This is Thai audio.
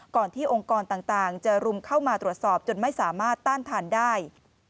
ที่องค์กรต่างจะรุมเข้ามาตรวจสอบจนไม่สามารถต้านทานได้